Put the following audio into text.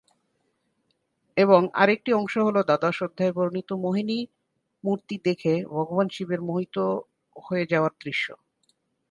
এবং আর একটি অংশ হল দ্বাদশ অধ্যায়ে বর্ণিত মোহিনী মূর্তি দেখে ভগবান শিবের মোহিত হয়ে যাওয়ার দৃশ্য।